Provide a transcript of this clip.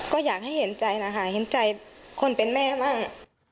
ก็อยากให้เห็นใจนะคะเห็นใจคนเป็นแม่บ้าง